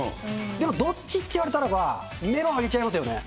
でもどっちって言われたらば、メロン挙げちゃいますよね。